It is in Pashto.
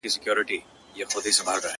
په زګېروي مي له زلمیو شپو بېلېږم!.